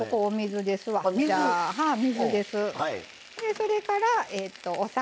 それからお酒。